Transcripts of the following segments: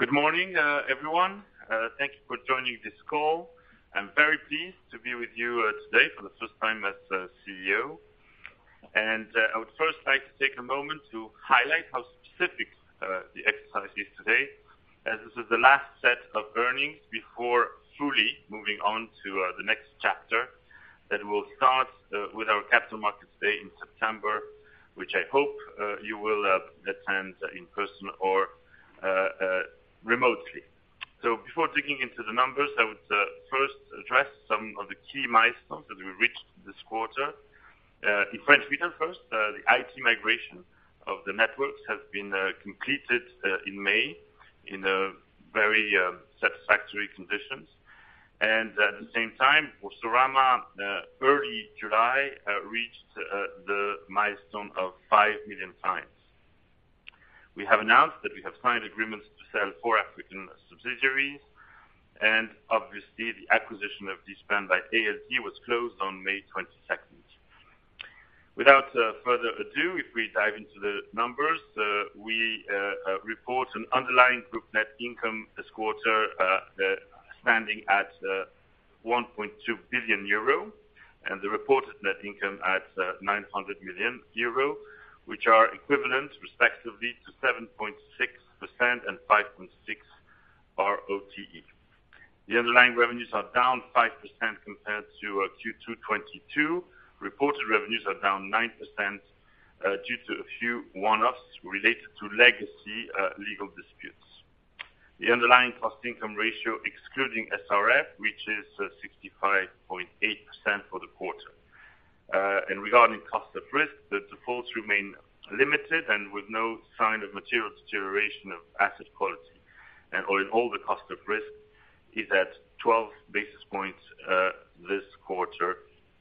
Good morning, everyone. Thank you for joining this call. I'm very pleased to be with you today for the first time as CEO. I would first like to take a moment to highlight how specific the exercise is today, as this is the last set of earnings before fully moving on to the next chapter, that will start with our Capital Markets Day in September, which I hope you will attend in person or remotely. Before digging into the numbers, I would first address some of the key milestones that we reached this quarter. In France Retail first, the IT migration of the networks has been completed in May, in a very satisfactory conditions. At the same time, Boursorama, early July, reached the milestone of 5 million clients. We have announced that we have signed agreements to sell four African subsidiaries, and obviously, the acquisition of LeasePlan by ALD was closed on May 22nd. Without further ado, if we dive into the numbers, we report an underlying group net income this quarter standing at 1.2 billion euro, and the reported net income at 900 million euro, which are equivalent respectively to 7.6% and 5.6% ROTE. The underlying revenues are down 5% compared to Q2 2022. Reported revenues are down 9% due to a few one-offs related to legacy legal disputes. The underlying cost-income ratio, excluding SRF, reaches 65.8% for the quarter. Regarding cost of risk, the defaults remain limited and with no sign of material deterioration of asset quality. All in all, the cost of risk is at 12 basis points this quarter,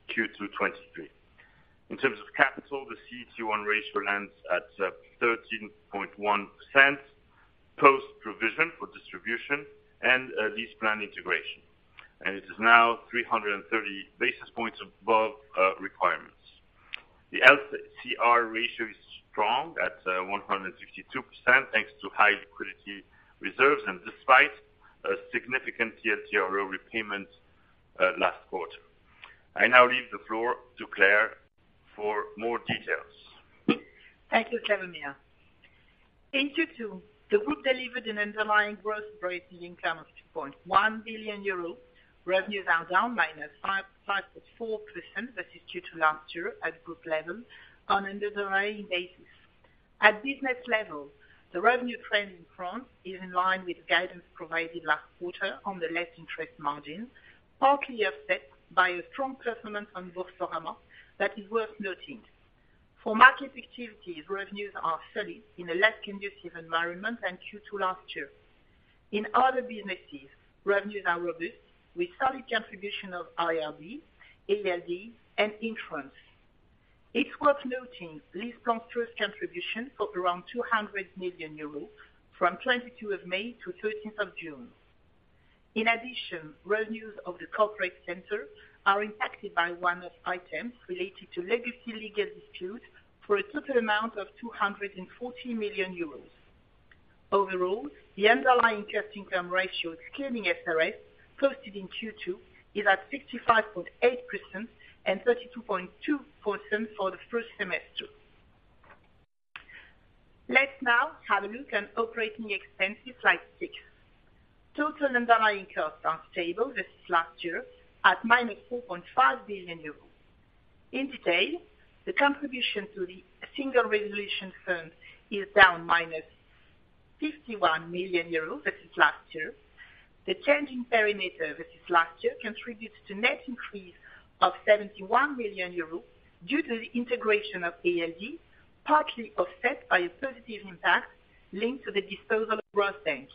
Q2 2023. In terms of capital, the CET1 ratio lands at 13.1%, post-provision for distribution and LeasePlan integration. It is now 330 basis points above requirements. The LCR ratio is strong at 162%, thanks to high liquidity reserves, and despite a significant TLTRO repayment last quarter. I now leave the floor to Claire for more details. Thank you, Slawomir Krupa. In Q2, the group delivered an underlying gross operating income of 2.1 billion euros. Revenues are down -5.4% versus Q2 last year at group level on an underlying basis. At business level, the revenue trend in France is in line with guidance provided last quarter on the net interest margin, partly offset by a strong performance on Boursorama that is worth noting. For market activities, revenues are steady in a less conducive environment than Q2 last year. In other businesses, revenues are robust, with solid contribution of IRB, ALD, and in France. It's worth noting LeasePlan's first contribution of around 200 million euros from May 22nd to June 13th. In addition, revenues of the corporate center are impacted by one-off items related to legacy legal disputes for a total amount of 240 million euros. Overall, the underlying cost-to-income ratio, excluding SRF, posted in Q2, is at 65.8% and 32.2% for the first semester. Let's now have a look on operating expenses, slide six. Total underlying costs are stable versus last year at -2.5 billion euros. In detail, the contribution to the Single Resolution Fund is down -51 million euros versus last year. The change in perimeter versus last year contributes to net increase of 71 million euros due to the integration of ALD, partly offset by a positive impact linked to the disposal of Rosbank.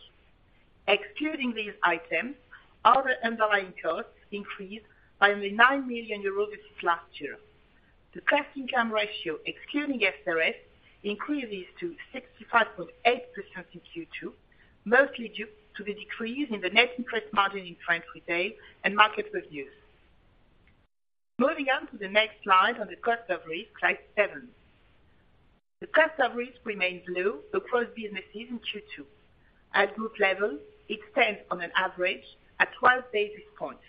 Excluding these items, other underlying costs increased by only 9 million euros versus last year. The cost-to-income ratio, excluding SRF, increases to 65.8% in Q2, mostly due to the decrease in the net interest margin in French retail and market reviews. Moving on to the next slide on the cost of risk, slide seven. The cost of risk remains low across businesses in Q2. At group level, it stands on an average at 12 basis points.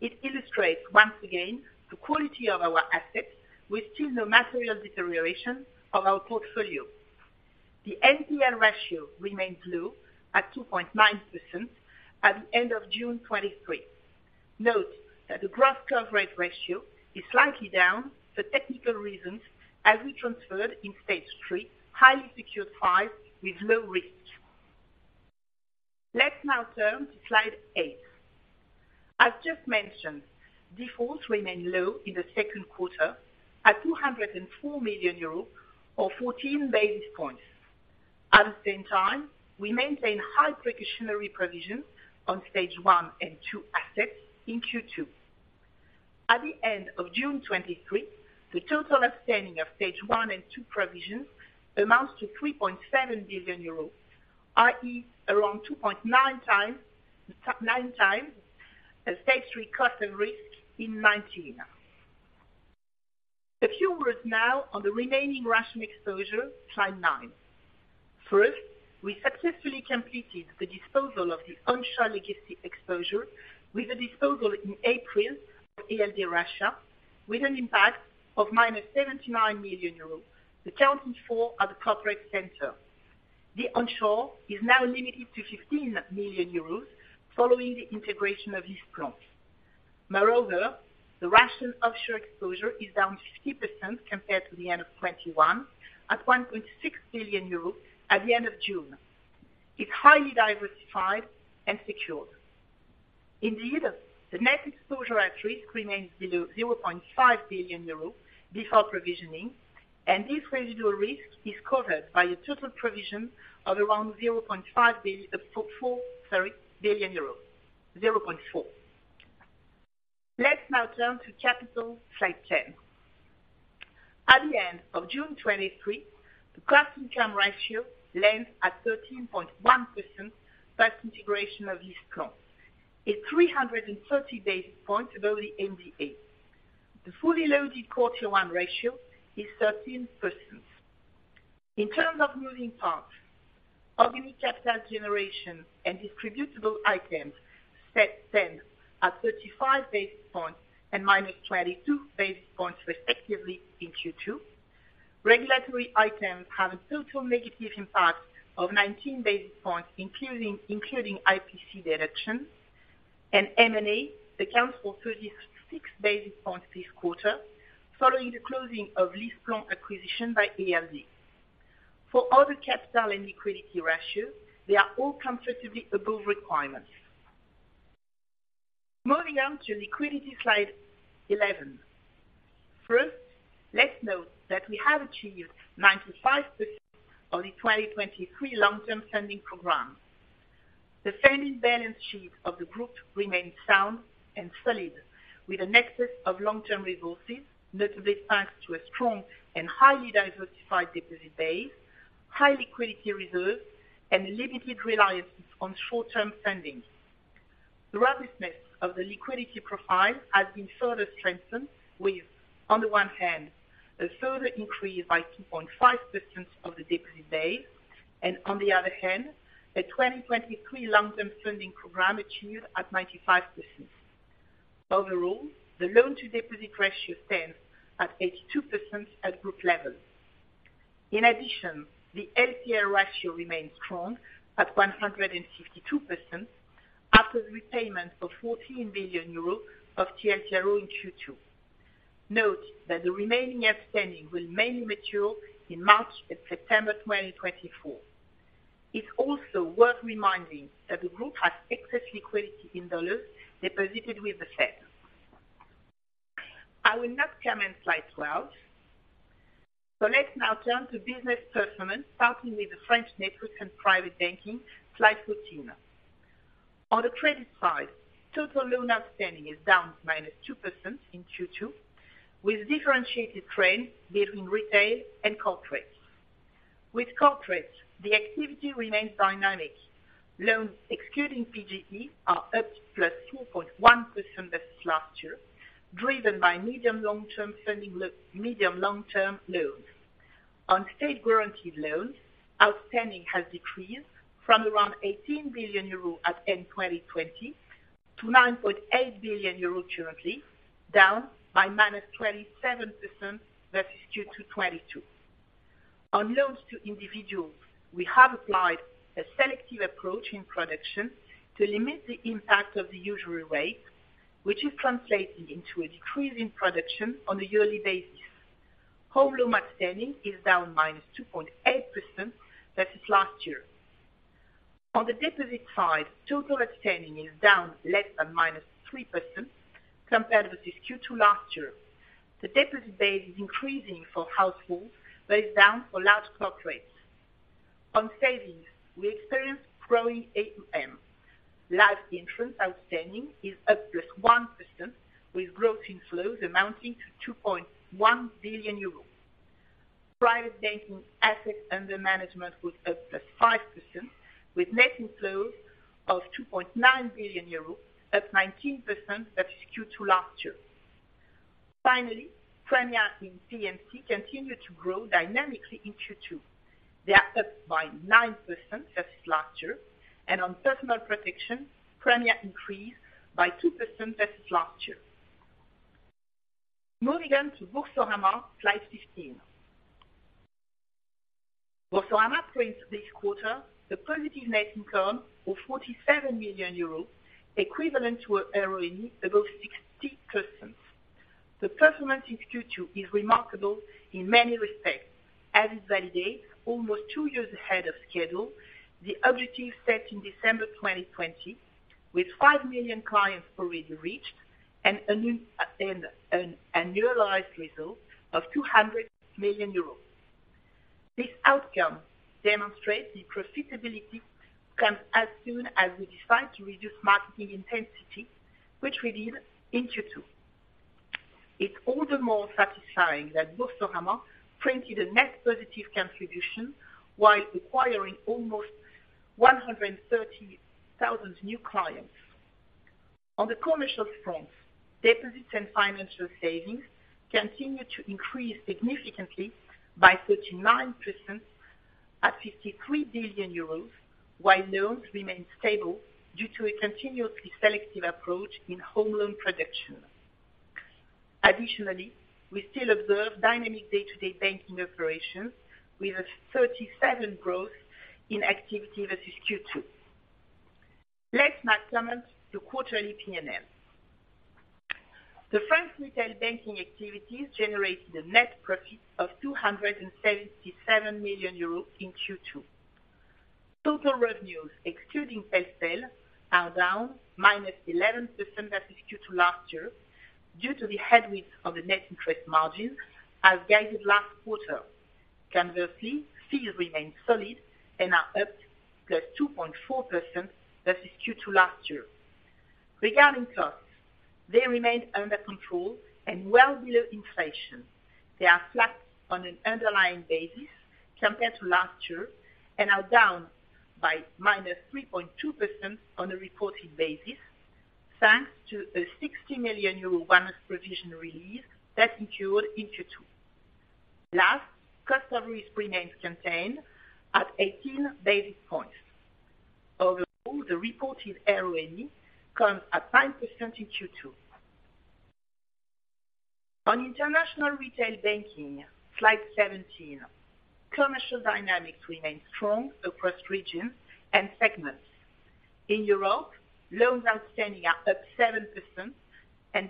It illustrates once again, the quality of our assets with still no material deterioration of our portfolio. The NPL ratio remains low at 2.9% at the end of June 2023. Note that the gross coverage ratio is slightly down for technical reasons, as we transferred in Stage 3, highly secured files with low risk. Let's now turn to slide eight. As just mentioned, defaults remain low in the second quarter at 204 million euros or 14 basis points. At the same time, we maintain high precautionary provisions on Stage 1 and 2 assets in Q2. At the end of June 2023, the total outstanding of Stage 1 and 2 provisions amounts to 3.7 billion euros, i.e., around 2.9x the Stage 3 cost of risk. A few words now on the remaining Russian exposure, slide nine. First, we successfully completed the disposal of the onshore legacy exposure with a disposal in April of ALD Russia, with an impact of -79 million euros, accounting for at the corporate center. The onshore is now limited to 15 million euros following the integration of LeasePlan. The Russian offshore exposure is down 50% compared to the end of 2021, at 1.6 billion euros at the end of June. It's highly diversified and secured. Indeed, the net exposure at risk remains below 0.5 billion euro before provisioning. This residual risk is covered by a total provision of around 0.4 billion. Let's now turn to capital, slide 10. At the end of June 2023, the cost-to-income ratio lands at 13.1%, post integration of LeasePlan, 330 basis points above the MDA. The fully loaded Core Tier 1 ratio is 13%. In terms of moving parts, organic capital generation and distributable items set then at 35 basis points and -22 basis points, respectively, in Q2. Regulatory items have a total negative impact of 19 basis points, including, including IPC deductions, and M&A accounts for 36 basis points this quarter, following the closing of LeasePlan acquisition by ALD. For other capital and liquidity ratios, they are all comfortably above requirements. Moving on to liquidity, slide 11. First, let's note that we have achieved 95% of the 2023 long-term funding program. The funding balance sheet of the group remains sound and solid, with a nexus of long-term resources, notably thanks to a strong and highly diversified deposit base, high liquidity reserves, and limited reliance on short-term fundings. The robustness of the liquidity profile has been further strengthened with, on the one hand, a further increase by 2.5% of the deposit base, and on the other hand, a 2023 long-term funding program achieved at 95%. Overall, the loan-to-deposit ratio stands at 82% at group level. In addition, the LTR ratio remains strong at 152% after the repayment of 14 billion euros of TLTRO in Q2. Note that the remaining outstanding will mainly mature in March and September 2024. It's also worth reminding that the group has excess liquidity in dollars deposited with the Fed. I will not comment slide 12. Let's now turn to business performance, starting with the French network and private banking, slide 14. On the credit side, total loan outstanding is down -2% in Q2, with differentiated trend between retail and corporates. With corporates, the activity remains dynamic. Loans excluding PGE, are up +2.1% versus last year, driven by medium, long-term funding medium, long-term loans. On state-guaranteed loans, outstanding has decreased from around 18 billion euro at end 2020 to 9.8 billion euro currently, down by -27% versus Q2 2022. On loans to individuals, we have applied a selective approach in production to limit the impact of the usury rate, which is translating into a decrease in production on a yearly basis. Home loan outstanding is down -2.8% versus last year. On the deposit side, total outstanding is down less than -3% compared with this Q2 last year. The deposit base is increasing for households, but is down for large corporates. On savings, we experienced growing AUM. Life insurance outstanding is up +1%, with growth inflows amounting to 2.1 billion euros. Private banking assets under management was up +5%, with net inflows of 2.9 billion euros, up 19% versus Q2 last year. Finally, premium in P&C continued to grow dynamically in Q2. They are up by 9% versus last year. On personal protection, premium increased by 2% versus last year. Moving on to Boursorama, slide 15. Boursorama brings this quarter a positive net income of 47 million euros, equivalent to a ROI above 60%. The performance in Q2 is remarkable in many respects, as it validates almost two years ahead of schedule, the objective set in December 2020, with 5 million clients already reached and an annualized result of 200 million euros. This outcome demonstrates the profitability comes as soon as we decide to reduce marketing intensity, which we did in Q2. It's all the more satisfying that Boursorama printed a net positive contribution while acquiring almost 130,000 new clients. On the commercial front, deposits and financial savings continue to increase significantly by 39% at 53 billion euros, while loans remain stable due to a continuously selective approach in home loan production. Additionally, we still observe dynamic day-to-day banking operations with a 37% growth in activity versus Q2. Let's now comment the quarterly P&L. The French Retail Banking activities generated a net profit of 277 million euros in Q2. Total revenues, excluding FSL, are down -11% versus Q2 last year, due to the headwinds of the net interest margin as guided last quarter. Conversely, fees remain solid and are up +2.4% versus Q2 last year. Regarding costs, they remain under control and well below inflation. They are flat on an underlying basis compared to last year, are down by -3.2% on a reported basis, thanks to a 60 million euro one-off provision release that occurred in Q2. Last, customer risk remains contained at 18 basis points. Overall, the reported ROE comes at 9% in Q2. On international retail banking, slide 17. Commercial dynamics remain strong across regions and segments. In Europe, loans outstanding are up 7%,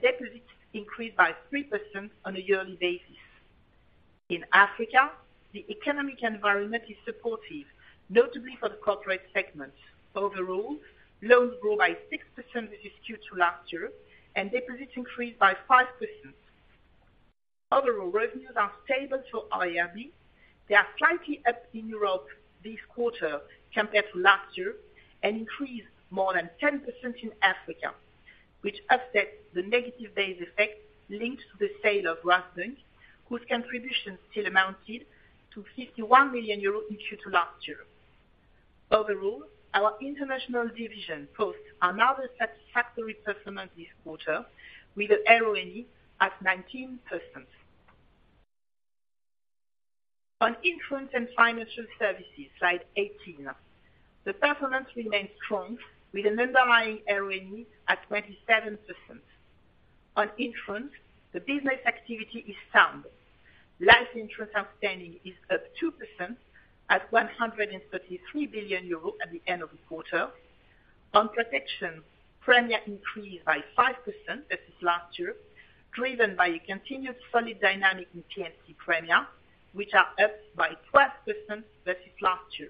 deposits increased by 3% on a yearly basis. In Africa, the economic environment is supportive, notably for the corporate segment. Overall, loans grow by 6% versus Q2 last year, deposits increased by 5%. Overall, revenues are stable for IRB. They are slightly up in Europe this quarter compared to last year, increased more than 10% in Africa, which offsets the negative base effect linked to the sale of Rosbank, whose contribution still amounted to 51 million euros in Q2 last year. Overall, our international division posts another satisfactory performance this quarter, with an ROE at 19%. On insurance and financial services, slide 18. The performance remains strong, with an underlying ROE at 27%. On insurance, the business activity is sound. Life insurance outstanding is up 2% at 133 billion euro at the end of the quarter. On protection, premia increased by 5% versus last year, driven by a continued solid dynamic in P&C premia, which are up by 12% versus last year.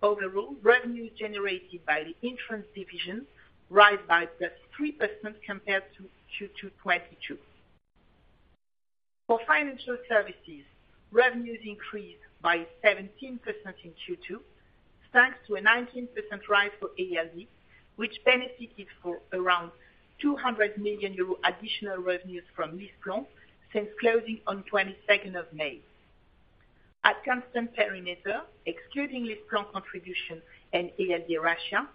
Overall, revenue generated by the insurance division rose by +3% compared to Q2 2022. For financial services, revenues increased by 17% in Q2, thanks to a 19% rise for ALD, which benefited for around 200 million euro additional revenues from LeasePlan since closing on May 22nd. At constant perimeter, excluding LeasePlan contribution and ALD Russia,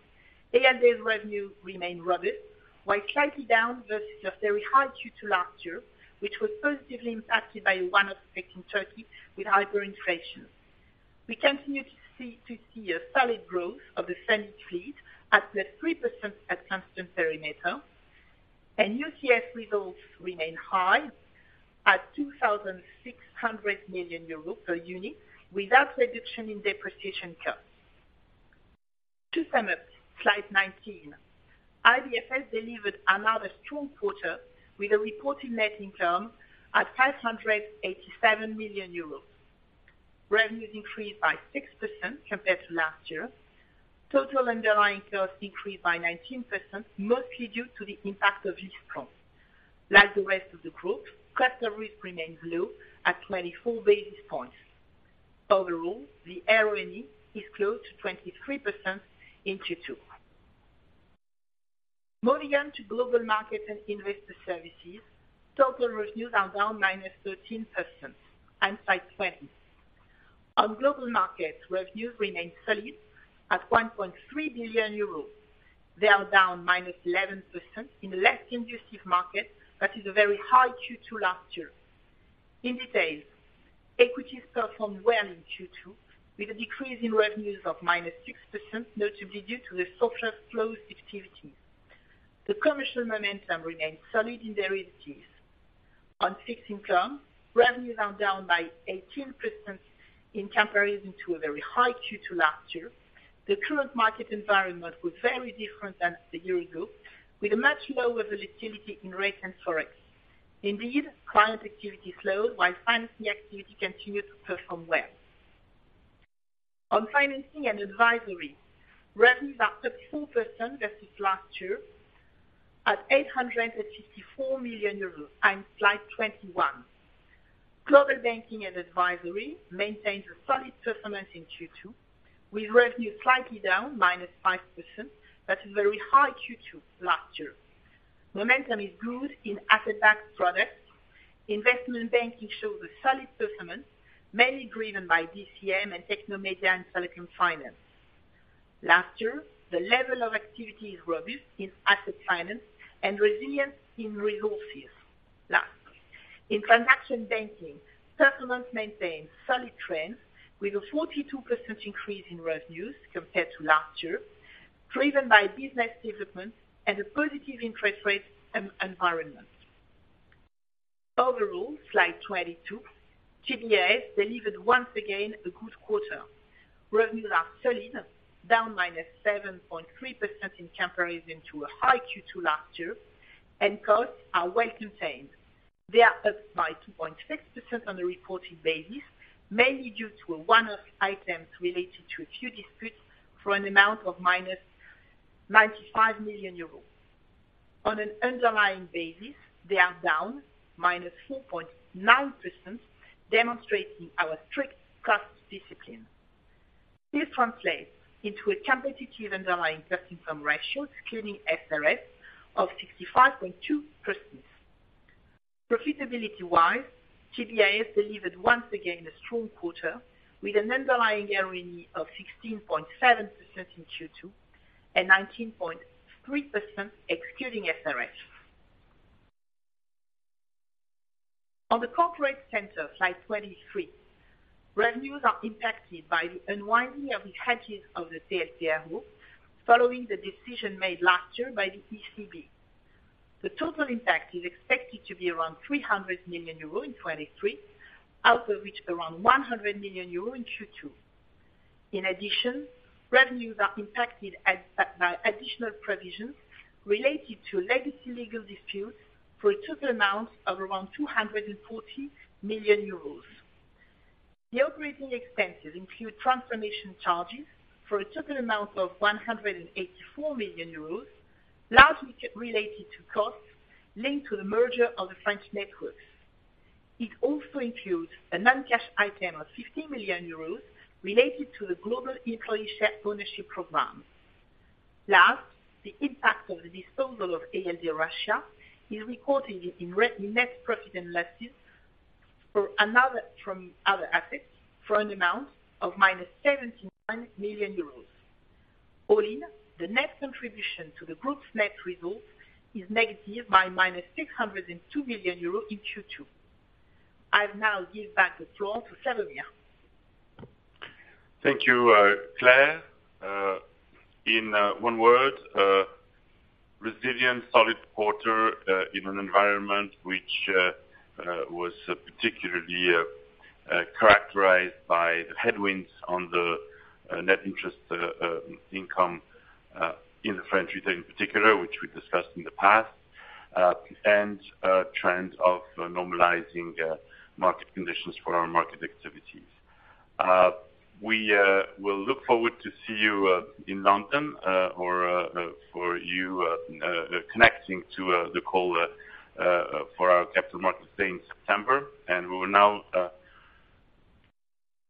ALD's revenue remained robust, while slightly down versus a very high Q2 last year, which was positively impacted by a one-off effect in Turkey with hyperinflation. We continue to see, to see a solid growth of the selling fleet at +3% at constant perimeter, and UCS results remain high at 2,600 million euros per unit, without reduction in depreciation costs. To sum up, slide 19. IBFS delivered another strong quarter with a reported net income at 587 million euros. Revenues increased by 6% compared to last year. Total underlying costs increased by 19%, mostly due to the impact of LeasePlan. Like the rest of the group, customer risk remains low at 24 basis points. Overall, the ROE is close to 23% in Q2. Moving on to global market and investor services, total revenues are down -13%, and slide 20. On global markets, revenues remain solid at 1.3 billion euros. They are down -11% in a less conducive market, that is a very high Q2 last year. In detail, equities performed well in Q2, with a decrease in revenues of -6%, notably due to the softer flows activity. The commercial momentum remains solid in the realties. On fixed income, revenues are down by 18% in comparison to a very high Q2 last year. The current market environment was very different than a year ago, with a much lower volatility in rate and FX. Client activity slowed, while financing activity continued to perform well. On financing and advisory, revenues are up 4% versus last year, at 854 million euros, and slide 21. Global banking and advisory maintains a solid performance in Q2, with revenues slightly down -5%, that is very high Q2 last year. Momentum is good in asset-backed products. Investment banking shows a solid performance, mainly driven by DCM and Technomedia and Silicon Finance. Last year, the level of activity is robust in asset finance and resilience in resources. Last, in transaction banking, performance maintains solid trends with a 42% increase in revenues compared to last year, driven by business development and a positive interest rate environment. Overall, slide 22, GBAS delivered once again a good quarter. Revenues are solid, down -7.3% in comparison to a high Q2 last year. Costs are well contained. They are up by 2.6% on a reported basis, mainly due to a one-off items related to a few disputes for an amount of -95 million euros. On an underlying basis, they are down -4.9%, demonstrating our strict cost discipline. This translates into a competitive underlying net income ratio, excluding SRF, of 65.2%. Profitability-wise, GBAS delivered once again a strong quarter, with an underlying ROE of 16.7% in Q2 and 19.3% excluding SRF. On the corporate center, slide 23, revenues are impacted by the unwinding of the hedges of the CSDO, following the decision made last year by the ECB. The total impact is expected to be around 300 million euro in 2023, out of which around 100 million euro in Q2. In addition, revenues are impacted by additional provisions related to legacy legal disputes for a total amount of around 240 million euros. The operating expenses include transformation charges for a total amount of 184 million euros, largely related to costs linked to the merger of the French networks. It also includes a non-cash item of 50 million euros related to the Global Employee Share Ownership program. Last, the impact of the disposal of ALD Russia is recorded in net profit and losses from other assets for an amount of -79 million euros. All in, the net contribution to the group's net results is negative by -602 million euros in Q2. I'll now give back the floor to Slawomir. Thank you, Claire. In one word, resilient, solid quarter, in an environment which was particularly characterized by the headwinds on the net interest income in the French retail in particular, which we discussed in the past, and trends of normalizing market conditions for our market activities. We will look forward to see you in London, or for you connecting to the call for our Capital Markets Day in September. We will now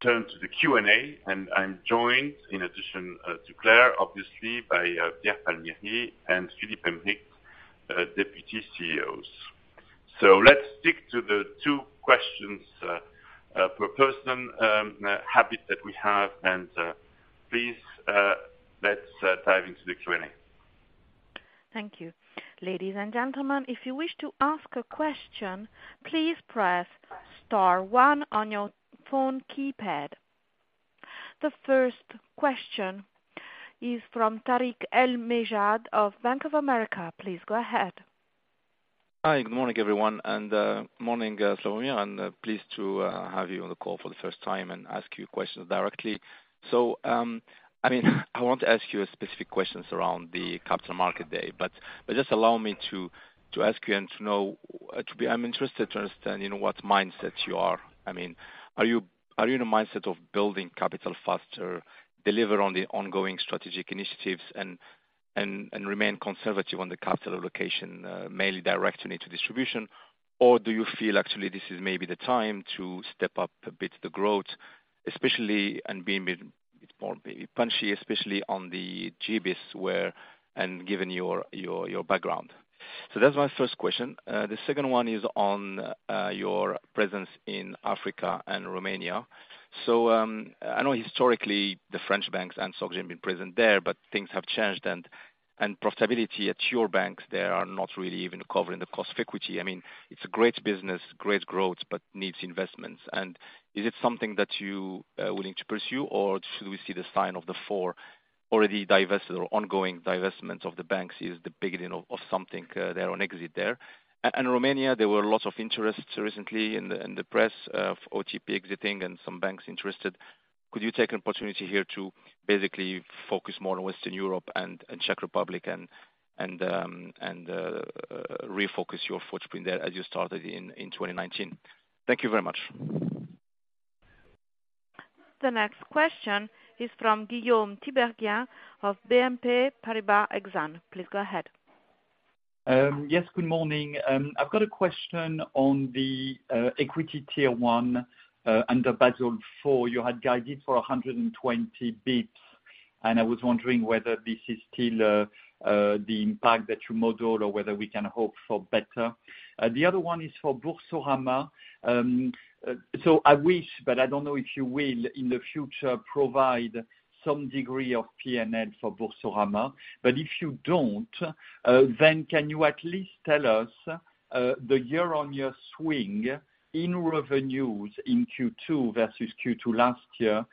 turn to the Q&A, and I'm joined, in addition, to Claire, obviously, by Pierre Palmieri and Philippe Aymerich, Deputy CEOs. Let's stick to the two questions per person habit that we have, and please let's dive into the Q&A. Thank you. Ladies and gentlemen, if you wish to ask a question, please press star one on your phone keypad. The first question is from Tarik El Mejjad of Bank of America. Please go ahead. Hi, good morning, everyone, morning, Slawomir, I'm pleased to have you on the call for the first time and ask you questions directly. I mean, I want to ask you specific questions around the Capital Markets Day, but just allow me to ask you and to know. I'm interested to understand, you know, what mindset you are. I mean, are you in a mindset of building capital faster, deliver on the ongoing strategic initiatives and remain conservative on the capital allocation, mainly direct and into distribution? Do you feel actually this is maybe the time to step up a bit the growth, especially, and being bit more punchy, especially on the GBIS, given your background? That's my first question. The second one is on your presence in Africa and Romania. I know historically, the French banks and SocGen have been present there, but things have changed, and profitability at your banks, there are not really even covering the cost of equity. I mean, it's a great business, great growth, but needs investments. Is it something that you are willing to pursue, or should we see the sign of the four already divested or ongoing divestment of the banks is the beginning of something there on exit there? Romania, there were lots of interest recently in the press of OTP exiting and some banks interested. Could you take an opportunity here to basically focus more on Western Europe and, and Czech Republic and, and, and refocus your footprint there, as you started in, in 2019? Thank you very much. The next question is from Guillaume Tiberghien of BNP Paribas Exane. Please go ahead. Yes, good morning. I've got a question on the equity Tier 1 under Basel IV. You had guided for 120 basis points. I was wondering whether this is still the impact that you model or whether we can hope for better? The other one is for Boursorama. I wish, but I don't know if you will, in the future, provide some degree of P&L for Boursorama. If you don't, then can you at least tell us the year-on-year swing in revenues in Q2 versus Q2 last year,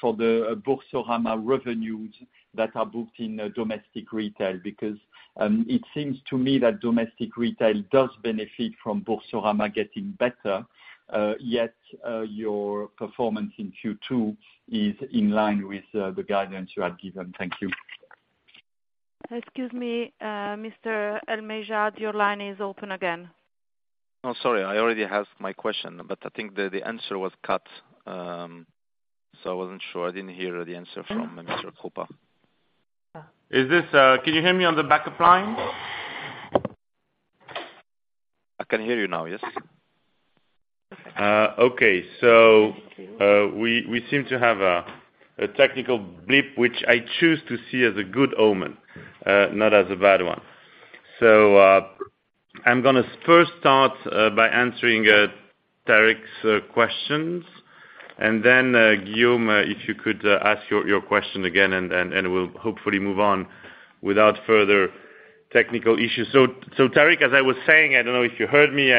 for the Boursorama revenues that are booked in domestic retail? It seems to me that domestic retail does benefit from Boursorama getting better, yet your performance in Q2 is in line with the guidance you had given. Thank you. Excuse me, Mr. El Mejjad, your line is open again. Oh, sorry, I already asked my question, but I think the, the answer was cut. I wasn't sure. I didn't hear the answer from Mr. Krupa. Is this, can you hear me on the backup line? I can hear you now, yes. Okay. We seem to have a technical blip, which I choose to see as a good omen, not as a bad one. I'm gonna first start by answering Tarik's questions. Guillaume, if you could ask your question again, and we'll hopefully move on without further technical issues. Tarik, as I was saying, I don't know if you heard me,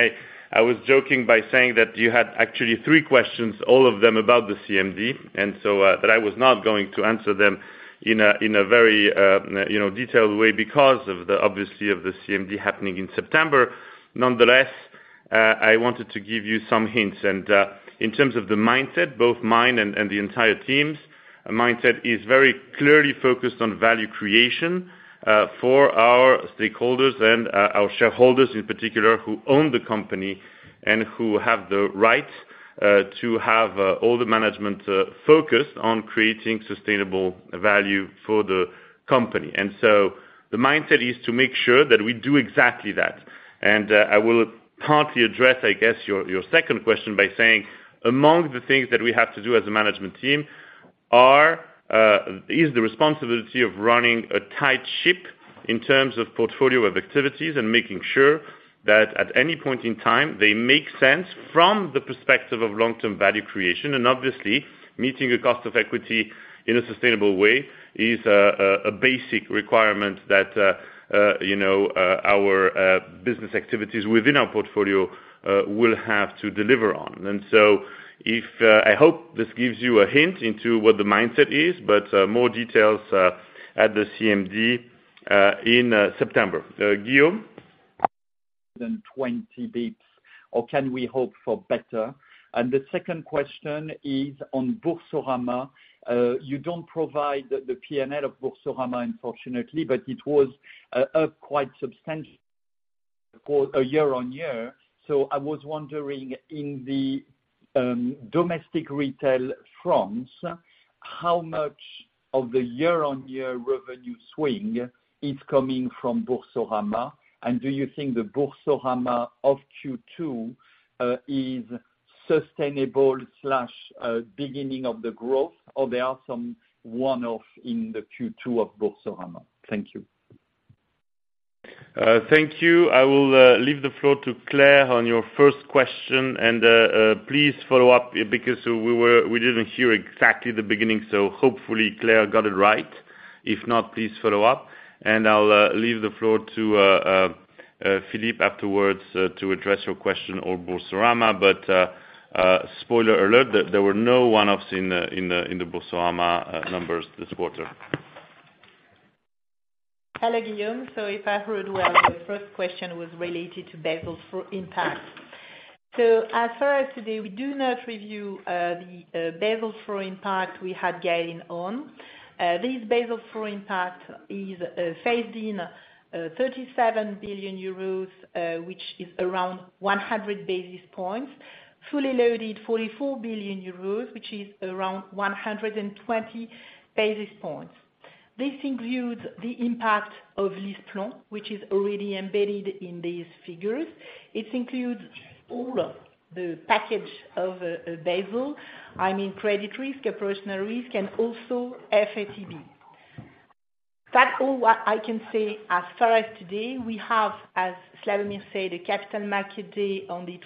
I was joking by saying that you had actually three questions, all of them about the CMD. But I was not going to answer them in a very, you know, detailed way because of the, obviously, of the CMD happening in September. Nonetheless, I wanted to give you some hints, and in terms of the mindset, both mine and, and the entire team's mindset is very clearly focused on value creation, for our stakeholders and, our shareholders in particular, who own the company, and who have the right, to have, all the management, focused on creating sustainable value for the company. So, the mindset is to make sure that we do exactly that. I will partly address, I guess, your, your second question by saying, among the things that we have to do as a management team are, is the responsibility of running a tight ship in terms of portfolio of activities and making sure that at any point in time, they make sense from the perspective of long-term value creation. Obviously, meeting a cost of equity in a sustainable way is a basic requirement that, you know, our business activities within our portfolio will have to deliver on. If, I hope this gives you a hint into what the mindset is, but, more details, at the CMD, in, September. Guillaume? Than 20 basis points, or can we hope for better? The second question is on Boursorama. You don't provide the, the P&L of Boursorama, unfortunately, but it was up quite substantial for a year-on-year. I was wondering in the domestic retail France, how much of the year-on-year revenue swing is coming from Boursorama, and do you think the Boursorama of Q2 is sustainable slash beginning of the growth, or there are some one-off in the Q2 of Boursorama? Thank you. Thank you. I will leave the floor to Claire on your first question. Please follow up, because we didn't hear exactly the beginning, so hopefully Claire got it right. If not, please follow up, and I'll leave the floor to Philippe afterwards to address your question on Boursorama. Spoiler alert, there were no one-offs in the Boursorama numbers this quarter. Hello, Guillaume. If I heard well, the first question was related to Basel IV impact. As far as today, we do not review, the Basel IV impact we had gained on. This Basel IV impact is phased in, 37 billion euros, which is around 100 basis points, fully loaded 44 billion euros, which is around 120 basis points. This includes the impact of LeasePlan, which is already embedded in these figures. It includes all of the package of, Basel, I mean, credit risk, operational risk, and also FRTB. That's all what I can say as far as today. We have, as Slawomir said, a Capital Markets Day on the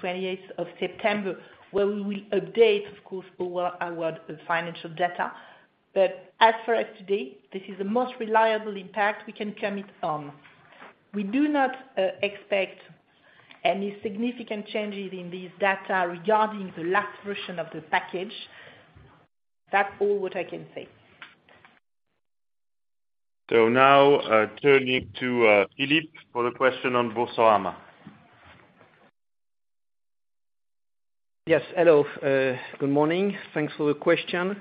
September 28th, where we will update, of course, all our financial data. As for today, this is the most reliable impact we can commit on. We do not expect any significant changes in this data regarding the last version of the package. That's all what I can say. Now, turning to Philippe, for the question on Boursorama. Yes. Hello. Good morning. Thanks for the question.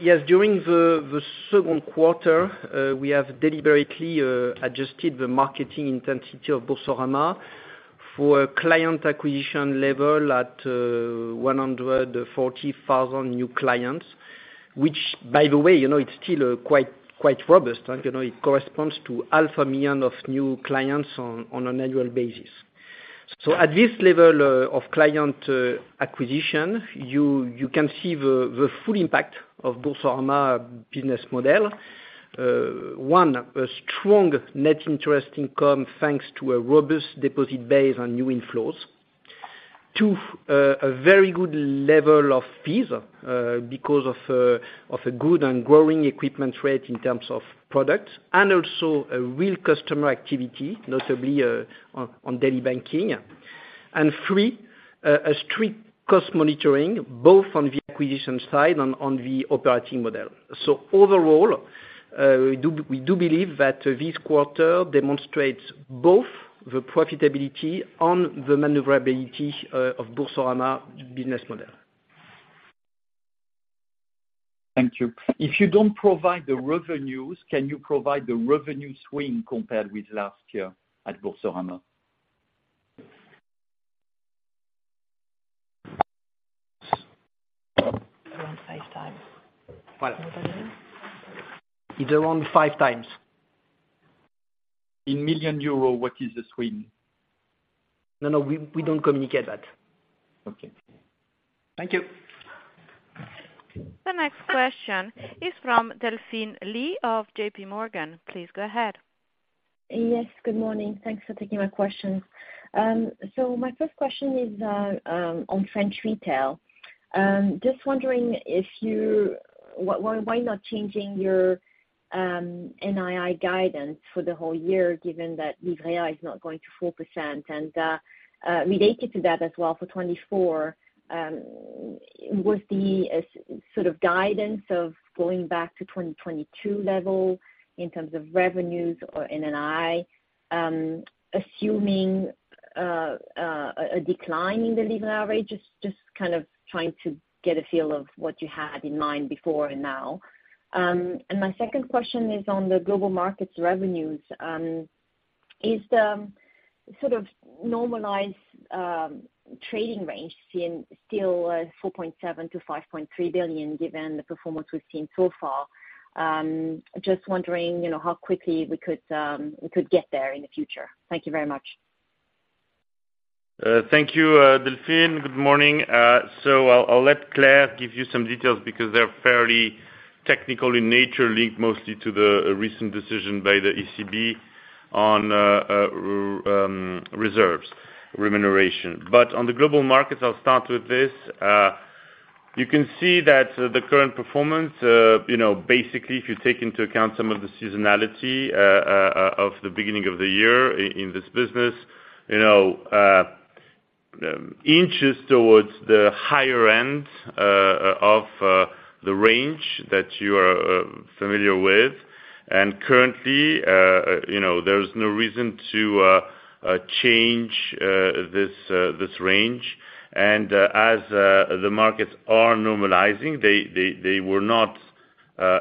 Yes, during the second quarter, we have deliberately adjusted the marketing intensity of Boursorama for client acquisition level at 140,000 new clients, which, by the way, you know, it's still quite, quite robust, and, you know, it corresponds to 500,000 of new clients on an annual basis. At this level of client acquisition, you can see the full impact of Boursorama business model. One, a strong net interest income, thanks to a robust deposit base on new inflows. Two, a very good level of fees, because of a good and growing equipment rate in terms of products, and also a real customer activity, notably on daily banking. And three, a strict cost monitoring, both on the acquisition side and on the operating model. Overall, we do believe that this quarter demonstrates both the profitability and the maneuverability, of Boursorama business model. Thank you. If you don't provide the revenues, can you provide the revenue swing compared with last year at Boursorama? Around 5x. It's around 5x. In million euro, what is the swing? No, no, we, we don't communicate that. Okay. Thank you. The next question is from Delphine Lee of J.P. Morgan. Please go ahead. Yes, good morning. Thanks for taking my questions. So my first question is on French retail. Just wondering if you why, why not changing your NII guidance for the whole year, given that Livret A is not going to 4%? Related to that as well, for 2024, was the sort of guidance of going back to 2022 level in terms of revenues or NII, assuming a decline in the Livret A, just, just kind of trying to get a feel of what you had in mind before and now. My second question is on the global markets revenues. Is the sort of normalized trading range still, still 4.7 billion-5.3 billion, given the performance we've seen so far? Just wondering, you know, how quickly we could, we could get there in the future. Thank you very much. Thank you, Delphine. Good morning. I'll let Claire give you some details because they're fairly technical in nature, linked mostly to the recent decision by the ECB on reserves remuneration. On the global markets, I'll start with this. You can see that the current performance, you know, basically, if you take into account some of the seasonality of the beginning of the year in this business, you know, inches towards the higher end of the range that you are familiar with. Currently, you know, there's no reason to change this range. As the markets are normalizing, they were not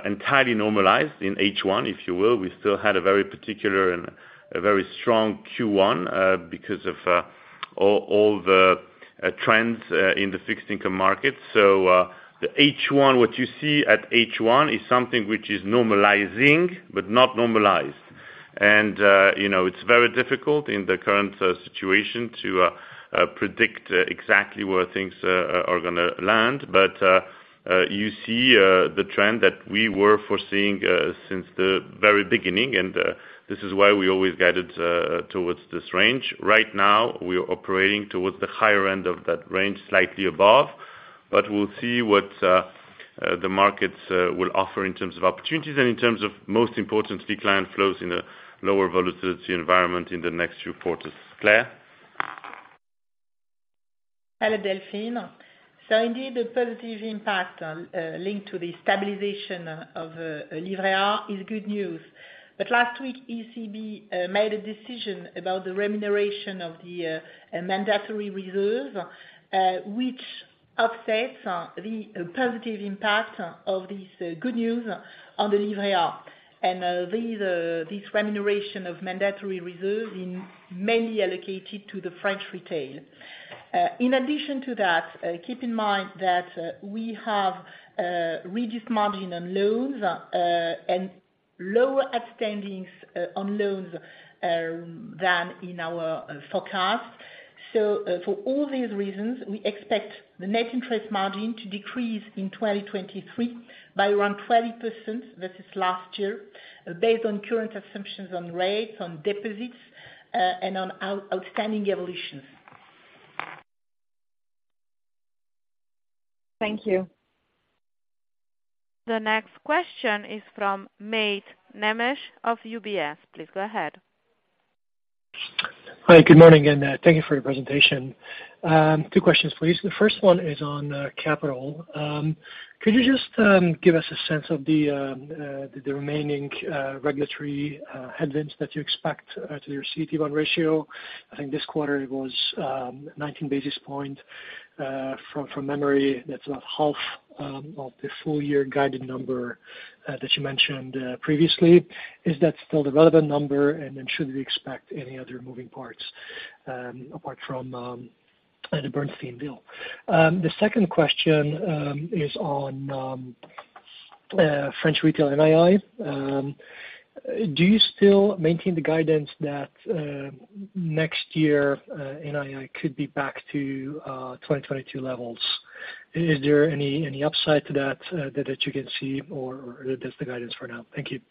entirely normalized in H1, if you will. We still had a very particular and a very strong Q1, because of all the trends in the fixed income market. The H1, what you see at H1, is something which is normalizing, but not normalized. You know, it's very difficult in the current situation to predict exactly where things are gonna land. You see the trend that we were foreseeing since the very beginning, and this is why we always guided towards this range. Right now, we are operating towards the higher end of that range, slightly above, but we'll see what the markets will offer in terms of opportunities and in terms of most importantly, client flows in a lower volatility environment in the next few quarters. Claire? Hello, Delphine. Indeed, a positive impact linked to the stabilization of Livret A is good news. Last week, ECB made a decision about the remuneration of the mandatory reserves, which offsets the positive impact of this good news on the Livret A. These, this remuneration of mandatory reserves in mainly allocated to the French retail. In addition to that, keep in mind that we have reduced margin on loans and lower outstandings on loans than in our forecast. For all these reasons, we expect the net interest margin to decrease in 2023 by around 20% versus last year, based on current assumptions on rates, on deposits, and on outstanding evolutions. Thank you. The next question is from Mate Nemes of UBS. Please go ahead. Hi, good morning, thank you for your presentation. Two questions, please. The first one is on capital. Could you just give us a sense of the remaining regulatory headwinds that you expect to your CET1 ratio? I think this quarter it was 19 basis points. From memory, that's about half of the full-year guided number that you mentioned previously. Is that still the relevant number? Then should we expect any other moving parts apart from the Bernstein deal? The second question is on- French retail NII, do you still maintain the guidance that next year NII could be back to 2022 levels? Is there any, any upside to that, that, that you can see, or, or that's the guidance for now? Thank you.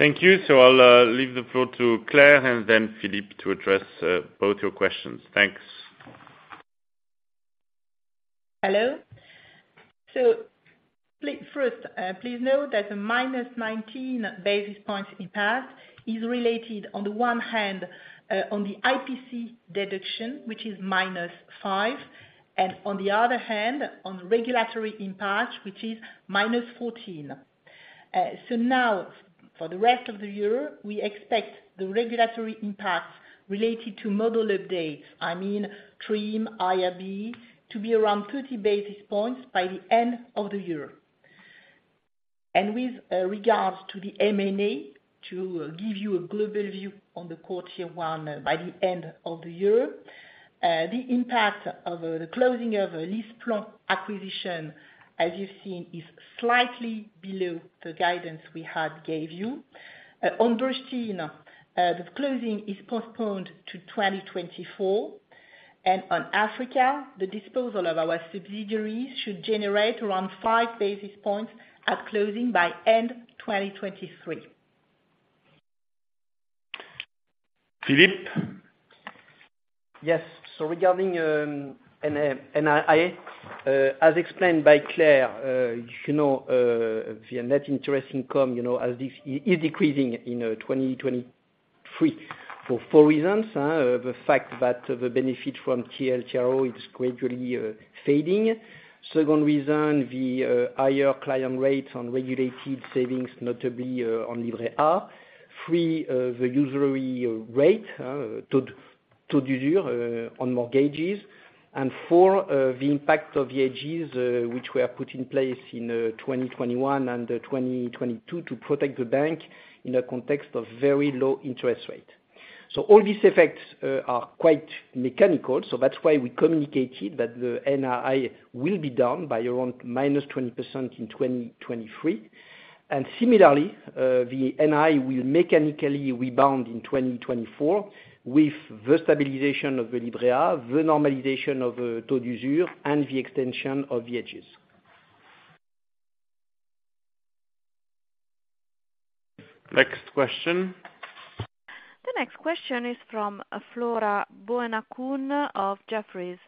Thank you. I'll leave the floor to Claire and then Philippe to address both your questions. Thanks. Hello. First, please note that the -19 basis points impact is related on the one hand, on the IPC deduction, which is -5, and on the other hand, on regulatory impact, which is -14. Now, for the rest of the year, we expect the regulatory impact related to model updates, I mean, TRIM, IRB, to be around 30 basis points by the end of the year. With regards to the M&A, to give you a global view on the quarter one by the end of the year, the impact of the closing of LeasePlan acquisition, as you've seen, is slightly below the guidance we had gave you. On inaudible, the closing is postponed to 2024, and on Africa, the disposal of our subsidiaries should generate around 5 basis points at closing by end 2023. Philippe? Yes. So regarding NII, as explained by Claire, you know, the net interest income, you know, as this is decreasing in 2023, for four reasons, the fact that the benefit from TLTRO is gradually fading. Second reason, the higher client rate on regulated savings, notably on inaudible. Three, the usury rate, to do on mortgages. Four, the impact of the hedges, which were put in place in 2021 and 2022 to protect the bank in a context of very low interest rate. All these effects are quite mechanical, so that's why we communicated that the NII will be down by around -20% in 2023. Similarly, the NII will mechanically rebound in 2024 with the stabilization of the inaudible, the normalization of, total usury rate, and the extension of the hedges. Next question. The next question is from Flora Benhakoun of Jefferies.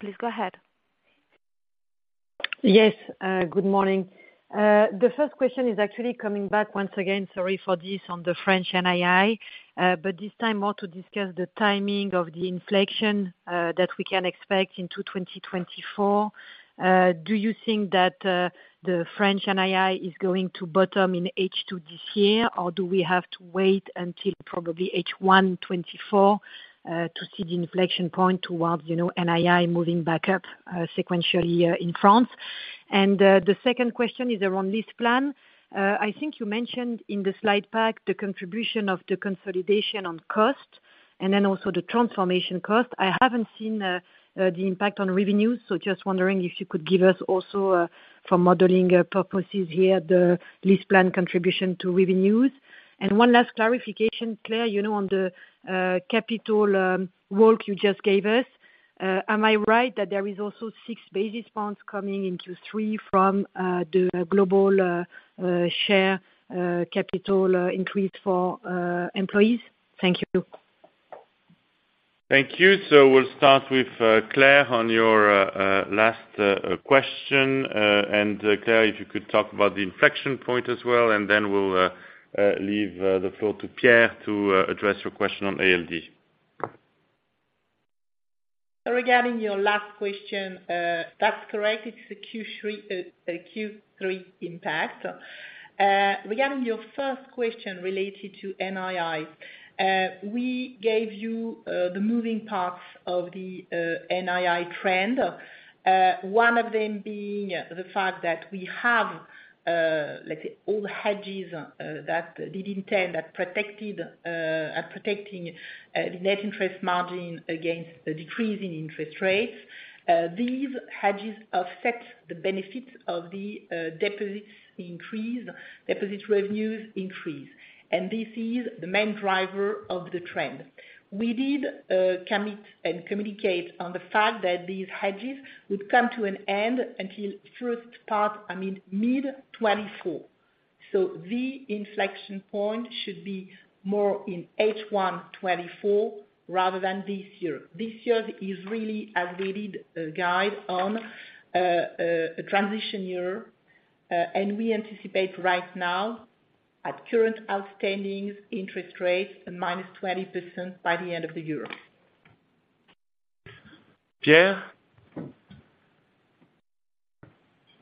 Please go ahead. Yes, good morning. The first question is actually coming back once again, sorry for this, on the French NII, but this time more to discuss the timing of the inflection that we can expect into 2024. Do you think that the French NII is going to bottom in H2 this year, or do we have to wait until probably H1 2024 to see the inflection point towards, you know, NII moving back up, sequentially, in France? The second question is around LeasePlan. I think you mentioned in the slide pack, the contribution of the consolidation on cost, and then also the transformation cost. I haven't seen the impact on revenues, so just wondering if you could give us also, for modeling purposes here, the LeasePlan contribution to revenues. One last clarification, Claire, you know, on the capital work you just gave us, am I right that there is also 6 basis points coming into 3 from the Global Employee Share Ownership capital increase for employees? Thank you. Thank you. We'll start with Claire, on your last question. Claire, if you could talk about the inflection point as well, then we'll leave the floor to Pierre to address your question on ALD. Regarding your last question, that's correct, it's a Q3, a Q3 impact. Regarding your first question related to NII, we gave you the moving parts of the NII trend, one of them being the fact that we have, let's say, old hedges, that did intend, that protected, are protecting the net interest margin against the decrease in interest rates. These hedges affect the benefits of the deposits increase, deposit revenues increase, and this is the main driver of the trend. We did commit and communicate on the fact that these hedges would come to an end until first part, I mean, mid 2024. The inflection point should be more in H1 2024 rather than this year. This year is really as we did a guide on a transition year. We anticipate right now, at current outstanding interest rates, a -20% by the end of the year. Pierre?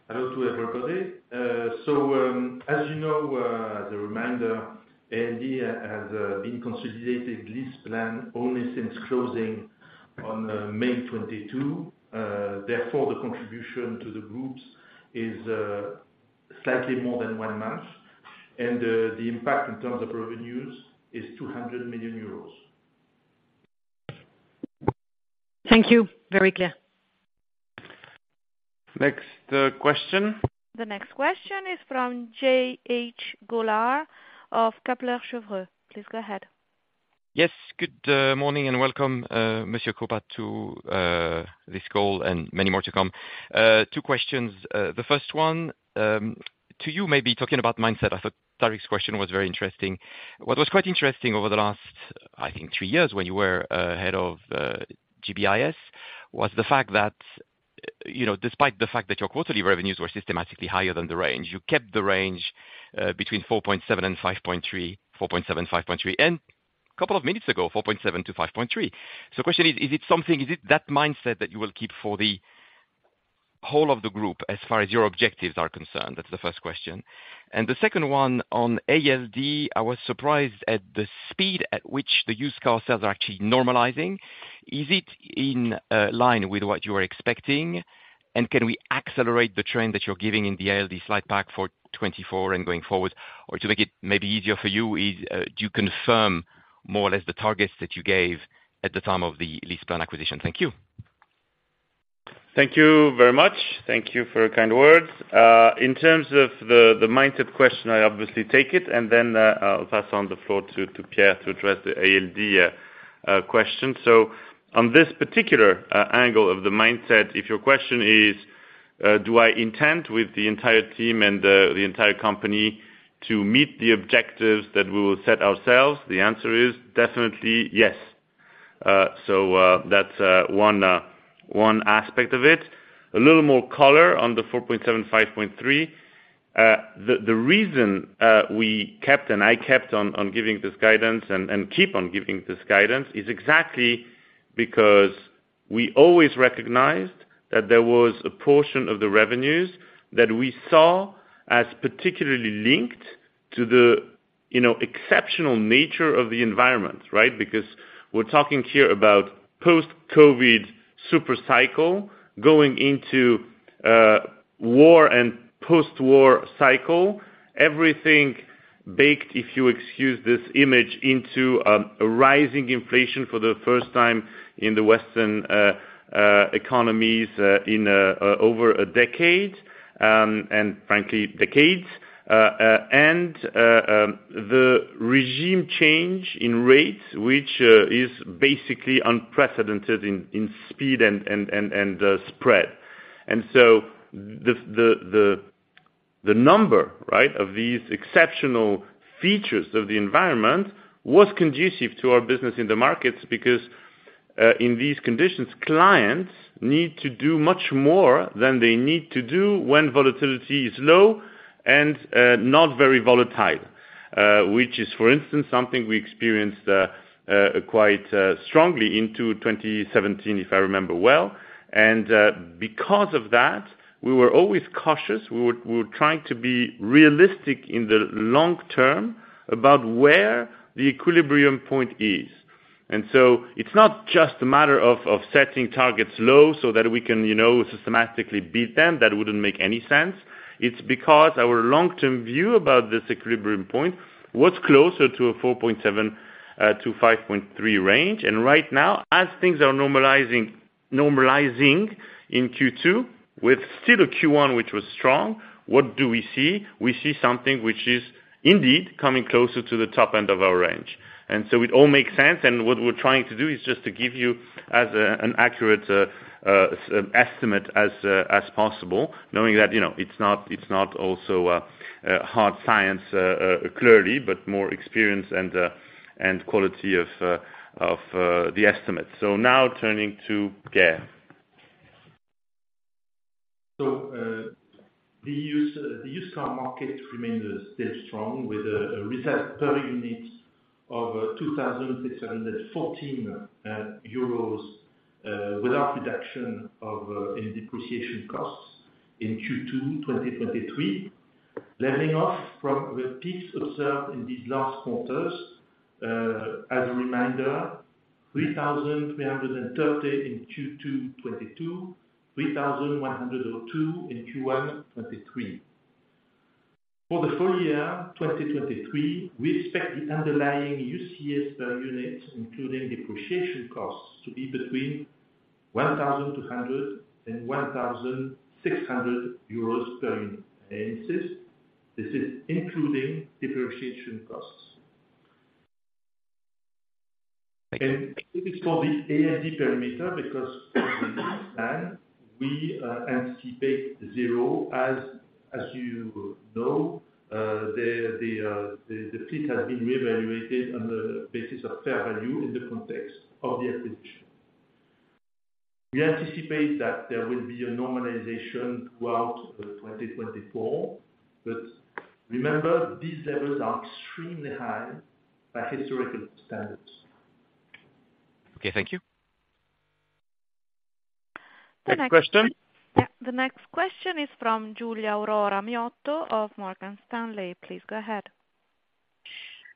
Hello to everybody. As you know, the reminder, ALD has been consolidated LeasePlan only since closing on May 22. Therefore, the contribution to the groups is slightly more than one month, and the impact in terms of revenues is 200 million euros. Thank you. Very clear. Next, question. The next question is from J-H. Gaulard of Kepler Cheuvreux. Please go ahead. Yes, good morning, welcome, Monsieur Krupa, to this call and many more to come. Two questions. The first one, to you may be talking about mindset. I thought Tarik's question was very interesting. What was quite interesting over the last, I think, three years when you were head of GBIS, was the fact that, you know, despite the fact that your quarterly revenues were systematically higher than the range, you kept the range between 4.7 billion and 5.3 billion, 4.7 billion-5.3 billion, and couple of minutes ago, 4.7 billion-5.3 billion. Question is, is it that mindset that you will keep for the whole of the group as far as your objectives are concerned? That's the first question. The second one on ALD, I was surprised at the speed at which the used car sales are actually normalizing. Is it in line with what you were expecting? Can we accelerate the trend that you're giving in the ALD slide pack for 2024 and going forward, or to make it maybe easier for you, do you confirm more or less the targets that you gave at the time of the LeasePlan acquisition? Thank you. Thank you very much. Thank you for your kind words. In terms of the mindset question, I obviously take it, and then I'll pass on the floor to Pierre to address the ALD question. On this particular angle of the mindset, if your question is, do I intend with the entire team and the entire company to meet the objectives that we will set ourselves? The answer is definitely yes. That's one aspect of it. A little more color on the 4.7 billion-5.3 billion. The reason we kept, and I kept on giving this guidance and keep on giving this guidance, is exactly because we always recognized that there was a portion of the revenues that we saw as particularly linked to the, you know, exceptional nature of the environment, right? Because we're talking here about post-COVID super cycle going into war and post-war cycle. Everything baked, if you excuse this image, into a rising inflation for the first time in the Western economies in over a decade, frankly, decades. The regime change in rates, which is basically unprecedented in speed and spread. The number, right, of these exceptional features of the environment was conducive to our business in the markets, because in these conditions, clients need to do much more than they need to do when volatility is low and not very volatile. Which is, for instance, something we experienced quite strongly into 2017, if I remember well. Because of that, we were always cautious. We were, we were trying to be realistic in the long term about where the equilibrium point is. It's not just a matter of, of setting targets low so that we can, you know, systematically beat them. That wouldn't make any sense. It's because our long-term view about this equilibrium point was closer to a 4.7 billion-5.3 billion range. Right now, as things are normalizing, normalizing in Q2 with still a Q1, which was strong, what do we see? We see something which is indeed coming closer to the top end of our range, and so it all makes sense. What we're trying to do is just to give you as an accurate estimate as possible, knowing that, you know, it's not, it's not also a hard science clearly, but more experience and quality of the estimate. Now turning to Pierre. The used car market remains still strong, with a reset per unit of 2,814 euros, without reduction of any depreciation costs in Q2 2023. Leveling off from the peaks observed in these last quarters, as a reminder, 3,330 in Q2 2022, 3,102 in Q1 2023. For the full year 2023, we expect the underlying UCS per unit, including depreciation costs, to be between 1,200-1,600 euros per unit. This, this is including depreciation costs. For the ALD perimeter, because we anticipate 0 as, as you know, the fleet has been reevaluated on the basis of fair value in the context of the acquisition. We anticipate that there will be a normalization throughout 2024, but remember, these levels are extremely high by historical standards. Okay, thank you. The next- Next question? Yeah, the next question is from Giulia Aurora Miotto of Morgan Stanley. Please go ahead.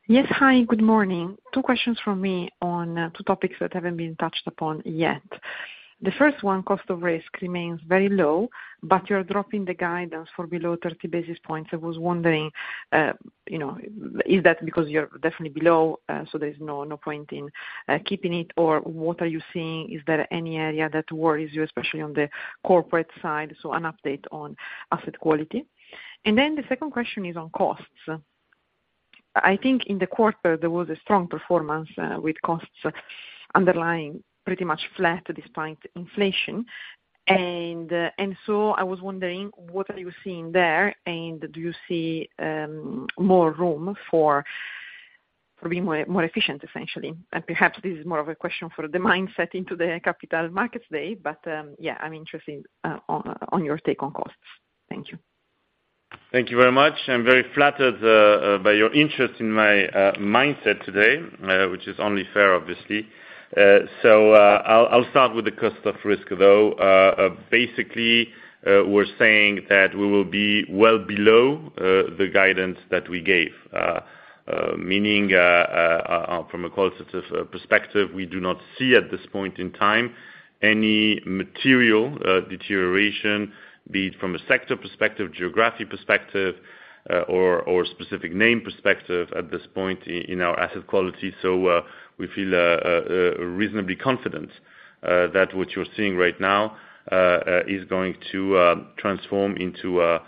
Yes, hi, good morning. Two questions from me on two topics that haven't been touched upon yet. The first one, cost of risk remains very low, but you're dropping the guidance for below 30 basis points. I was wondering, you know, is that because you're definitely below, so there's no point in keeping it? What are you seeing? Is there any area that worries you, especially on the corporate side? An update on asset quality. The second question is on costs. I think in the quarter, there was a strong performance, with costs underlying pretty much flat, despite inflation. I was wondering, what are you seeing there, and do you see more room for, for being more, more efficient, essentially? Perhaps this is more of a question for the mindset into the Capital Markets Day, but, yeah, I'm interested, on, on your take on costs. Thank you. Thank you very much. I'm very flattered, by your interest in my mindset today, which is only fair, obviously. So, I'll, I'll start with the cost of risk, though. Basically, we're saying that we will be well below the guidance that we gave. Meaning, from a qualitative perspective, we do not see at this point in time, any material deterioration, be it from a sector perspective, geographic perspective, or, or specific name perspective at this point in, in our asset quality. So, we feel reasonably confident that what you're seeing right now, is going to transform into a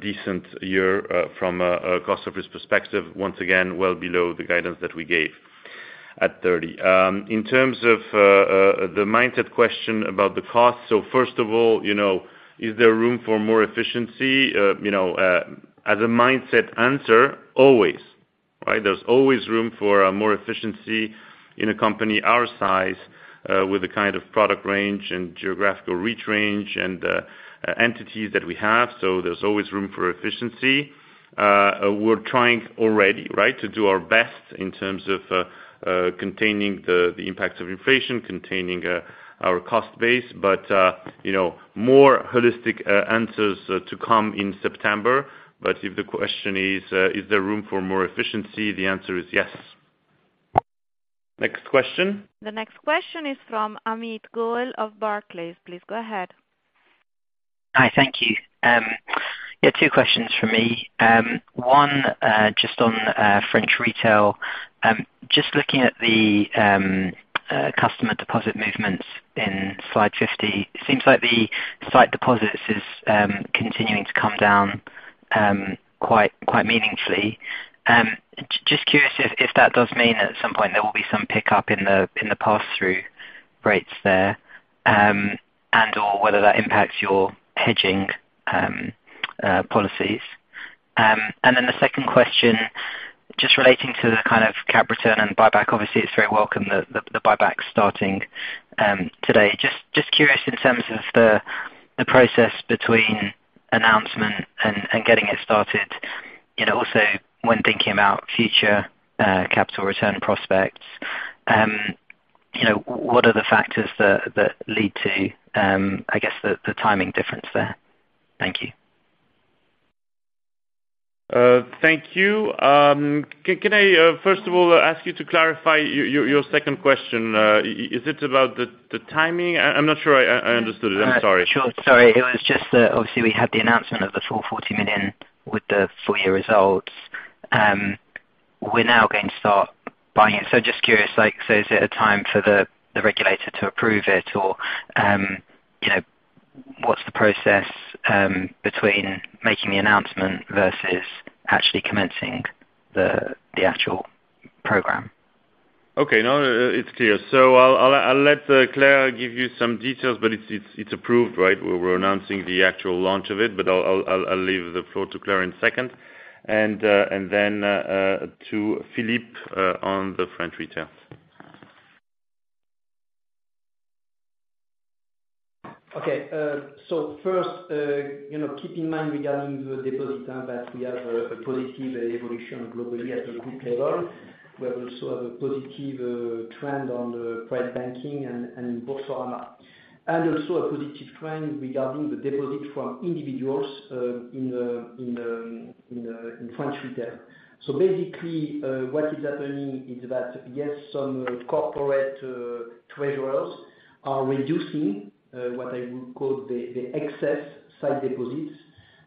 decent year, from a, a cost risk perspective, once again, well below the guidance that we gave at 30. In terms of the mindset question about the cost, first of all, you know, is there room for more efficiency? You know, as a mindset answer, always, right? There's always room for more efficiency in a company our size, with the kind of product range and geographical reach range and entities that we have, so there's always room for efficiency. We're trying already, right, to do our best in terms of containing the impacts of inflation, containing our cost base. You know, more holistic answers to come in September. If the question is, is there room for more efficiency? The answer is yes. Next question. The next question is from Amit Goel of Barclays. Please go ahead. Hi, thank you. Yeah, two questions from me. One, just on French retail. Just looking at the customer deposit movements in slide 50, seems like the site deposits is continuing to come down quite, quite meaningfully. Just curious if that does mean that at some point there will be some pickup in the pass-through rates there, and/or whether that impacts your hedging policies. The second question, just relating to the kind of cap return and buyback. Obviously, it's very welcome the buyback's starting today. Just curious in terms of the process between announcement and getting it started. You know, also when thinking about future, capital return prospects, you know, what are the factors that, that lead to, I guess the, the timing difference there? Thank you. Thank you. Can I first of all, ask you to clarify your, your second question? Is it about the, the timing? I'm not sure I understood it. I'm sorry. Sure. Sorry, it was just that obviously we had the announcement of the full 40 million with the full year results. We're now going to start buying it, just curious, like, so is it a time for the, the regulator to approve it? Or, you know, what's the process between making the announcement versus actually commencing the, the actual program? Okay, no, it's clear. I'll let Claire give you some details, but it's, it's, it's approved, right? We're announcing the actual launch of it. I'll leave the floor to Claire in a second, and then to Philippe on the French retail. Okay. First, you know, keep in mind regarding the deposit that we have a positive evolution globally at the group level. We also have a positive trend on the private banking and Boursorama, and also a positive trend regarding the deposit from individuals in French retail. Basically, what is happening is that, yes, some corporate treasurers are reducing what I would call the excess site deposits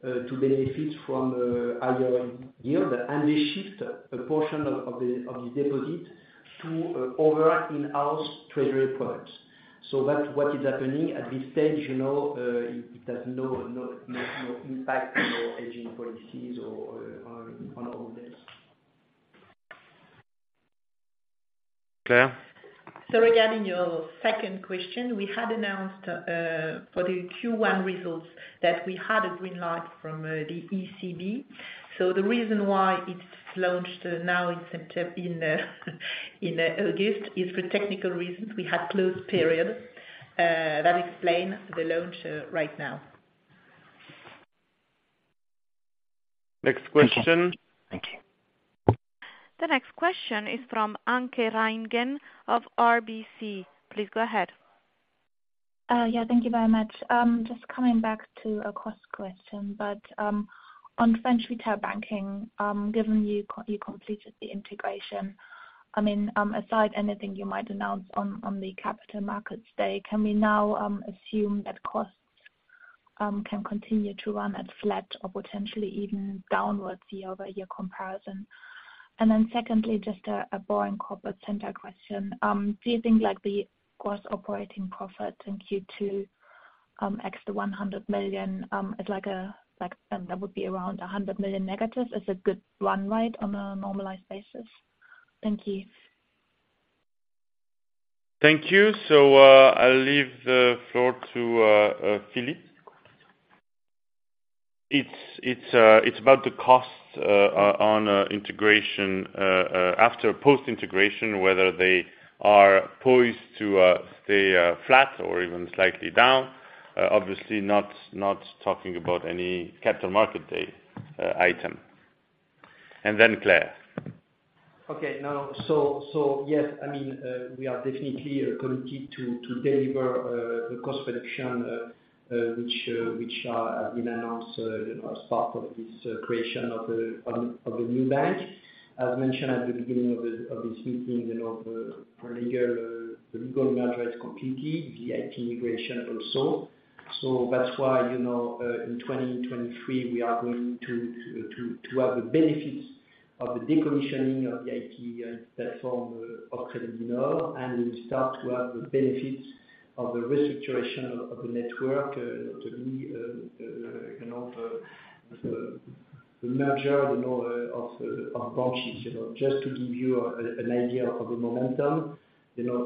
to benefit from higher yield, and they shift a portion of, of the, of the deposit to other in-house treasury products. That's what is happening at this stage, you know, it has no, no, no, no impact on our aging policies or on all this. Claire? Regarding your second question, we had announced for the Q1 results, that we had a green light from the ECB. The reason why it's launched now in September, in August, is for technical reasons, we had closed period. That explain the launch right now. Next question? Thank you. The next question is from Anke Reingen of RBC. Please go ahead. Yeah, thank you very much. Just coming back to a cost question, but on French Retail Banking, given you co- you completed the integration, I mean, aside anything you might announce on the Capital Markets Day, can we now assume that costs can continue to run at flat or potentially even downwards the over year comparison? Secondly, just a boring corporate center question. Do you think the gross operating profits in Q2, ex the 100 million, that would be around -100 million, is a good run rate on a normalized basis? Thank you. Thank you. I'll leave the floor to Philippe. It's, it's, it's about the cost on integration after post-integration, whether they are poised to stay flat or even slightly down. Obviously not, not talking about any Capital Markets Day item. And then Claire. Okay. No, yes, I mean, we are definitely committed to deliver the cost reduction which have been announced, you know, as part of this creation of the new bank. As mentioned at the beginning of this meeting, you know, the legal merger is complete, the IT integration also. That's why, you know, in 2023, we are going to have the benefits of the decommissioning of the IT platform of Crédit du Nord, and we start to have the benefits of the restructure of the network to be, you know, the merger, you know, of branches. You know, just to give you an idea of the momentum, you know,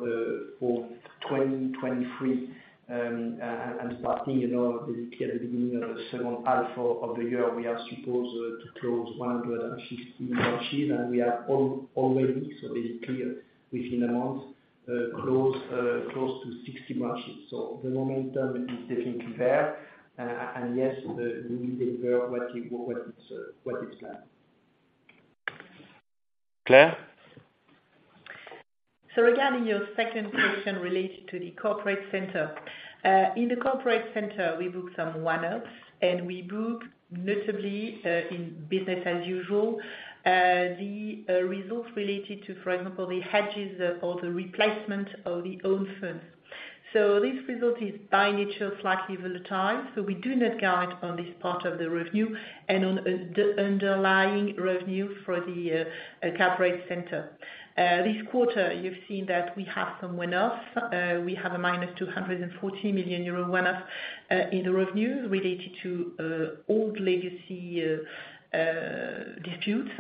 for 2023, and starting, you know, basically at the beginning of the second half of the year, we are supposed to close 160 branches, and we are already, so basically within a month, close to 60 branches. The momentum is definitely there, and yes, we will deliver what it, what it's, what is planned. Claire? Regarding your second question related to the corporate center, in the corporate center, we book some one-offs, and we book notably in business as usual, the results related to, for example, the hedges or the replacement of the own funds. This result is by nature, slightly volatile, we do not guide on this part of the revenue and on the underlying revenue for the corporate center. This quarter, you've seen that we have some one-offs. We have a -240 million euro one-off in the revenue related to old legacy disputes.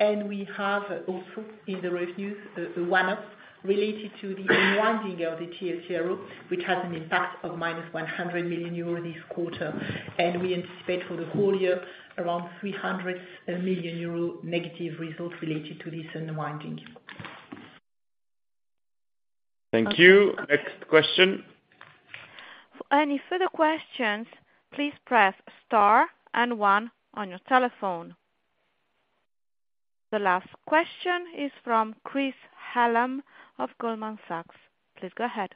And we have also in the revenues, a one-off related to the unwinding of the TLTRO, which has an impact of -100 million euro this quarter. We anticipate for the whole year, around -300 million euro results related to this unwinding. Thank you. Next question? Any further questions, please press star and one on your telephone. The last question is from Chris Hallam of Goldman Sachs. Please go ahead.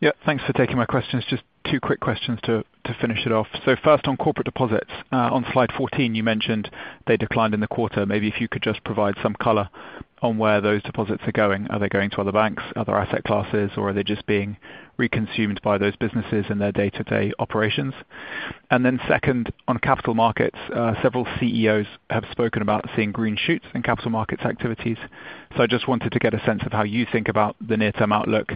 Yeah, thanks for taking my questions. Just two quick questions to finish it off. First on corporate deposits, on slide 14, you mentioned they declined in the quarter. Maybe if you could just provide some color on where those deposits are going. Are they going to other banks, other asset classes, or are they just being reconsumed by those businesses in their day-to-day operations? Second, on capital markets, several CEOs have spoken about seeing green shoots in capital markets activities. I just wanted to get a sense of how you think about the near-term outlook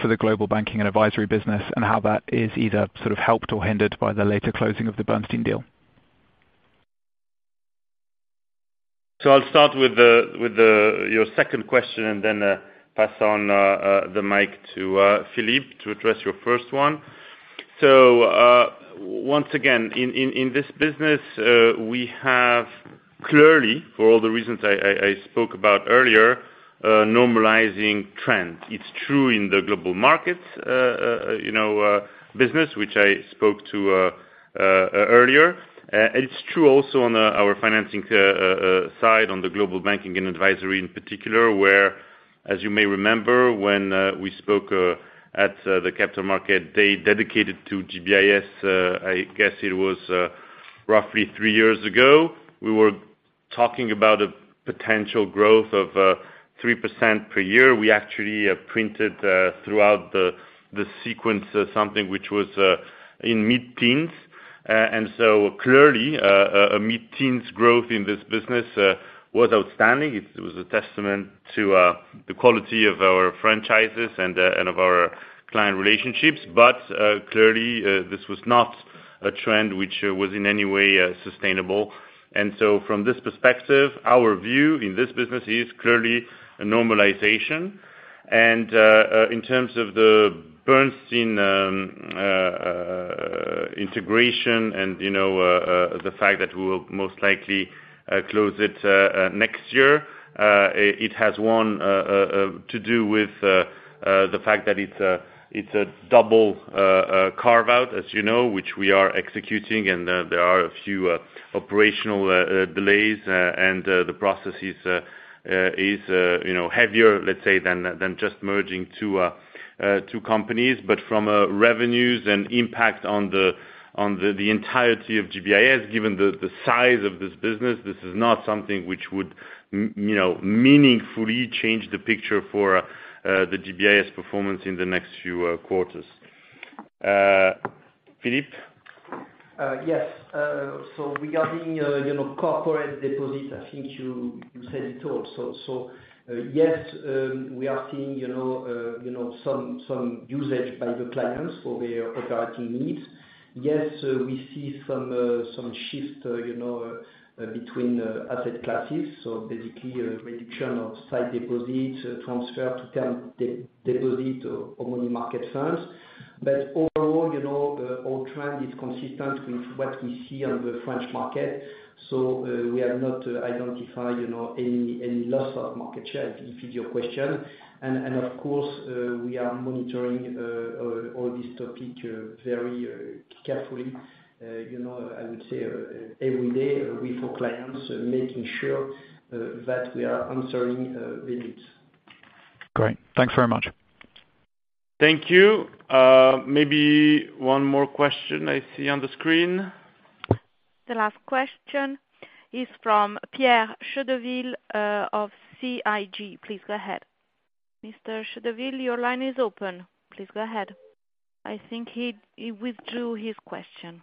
for the global banking and advisory business, and how that is either sort of helped or hindered by the later closing of the Bernstein deal. I'll start with your second question, and then pass on the mic to Philippe to address your first one. Once again, in this business, we have clearly, for all the reasons I spoke about earlier, a normalizing trend. It's true in the global markets, you know, business, which I spoke to earlier. It's true also on our financing side, on the global banking and advisory in particular, where, as you may remember, when we spoke at the Capital Markets Day dedicated to GBIS, I guess it was roughly three years ago, we were talking about a potential growth of 3% per year. We actually printed throughout the sequence something which was in mid-teens. Clearly, a mid-teens growth in this business was outstanding. It was a testament to the quality of our franchises and of our client relationships. Clearly, this was not a trend which was in any way sustainable. From this perspective, our view in this business is clearly a normalization. In terms of the Bernstein integration and, you know, the fact that we will most likely close it next year. It has one to do with- the fact that it's a double carve out, as you know, which we are executing, and there are a few operational delays, and the process is, you know, heavier, let's say, than just merging two companies. From a revenues and impact on the entirety of GBIS, given the size of this business, this is not something which would, you know, meaningfully change the picture for the GBIS performance in the next few quarters. Philippe? Yes. Regarding, you know, corporate deposits, I think you, you said it all. Yes, we are seeing, you know, you know, some, some usage by the clients for their operating needs. Yes, we see some, some shift, you know, between asset classes, so basically a reduction of site deposits, transfer to term deposits, or money market funds. Overall, you know, our trend is consistent with what we see on the French market. We have not identified, you know, any, any loss of market share, if, if it's your question. And, and of course, we are monitoring all this topic very carefully. You know, I would say every day with our clients, making sure that we are answering their needs. Great. Thanks very much. Thank you. Maybe one more question I see on the screen. The last question is from Pierre Chédeville, of CIC. Please go ahead. Mr. Chédeville, your line is open. Please go ahead. I think he withdrew his question.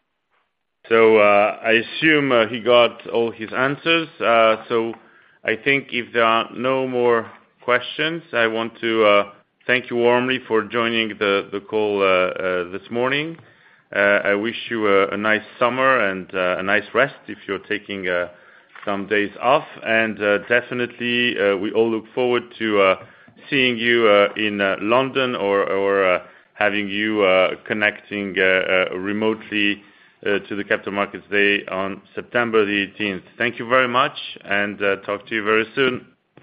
I assume, he got all his answers. I think if there are no more questions, I want to thank you warmly for joining the call this morning. I wish you a nice summer and a nice rest if you're taking some days off. Definitely, we all look forward to seeing you in London or having you connecting remotely to the Capital Markets Day on September 18th. Thank you very much, and talk to you very soon.